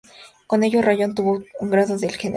Con ello, Rayón obtuvo el grado de general.